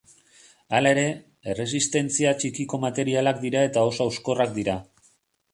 Hala ere, erresistentzia txikiko materialak dira eta oso hauskorrak dira.